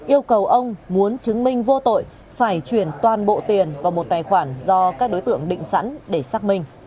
yêu cầu ông muốn chứng minh vô tội phải chuyển toàn bộ tiền vào một tài khoản do các đối tượng định sẵn để xác minh